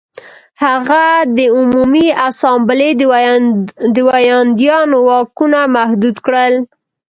هغه د عمومي اسامبلې د ویاندویانو واکونه محدود کړل